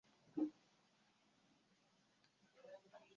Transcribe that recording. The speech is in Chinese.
这一药品在全球范围内基本都受到不同程度的管制。